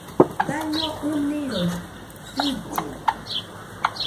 Daño ɨnɨroi jɨlli